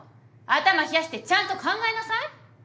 頭冷やしてちゃんと考えなさい。